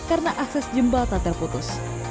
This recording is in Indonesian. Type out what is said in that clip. karena akses jembatan terputus